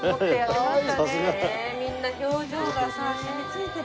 みんな表情がさ染みついてる。